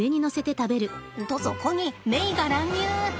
とそこにメイが乱入！